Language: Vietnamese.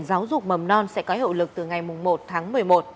giáo dục mầm non sẽ có hiệu lực từ ngày một tháng một mươi một